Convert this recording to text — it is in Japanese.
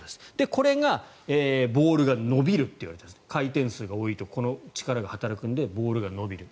これがボールが伸びるといわれてるやつ回転数が多いとこの力が働くのでボールが伸びる。